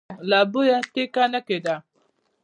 له بويه ټېکه نه کېده.